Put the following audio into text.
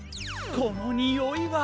このにおいは。